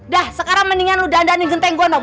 dah sekarang mendingan lo dandaanin genteng gue dong